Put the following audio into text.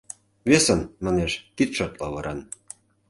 Весын, манеш, кидшат лавыран.